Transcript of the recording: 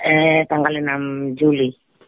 eh tanggal enam juli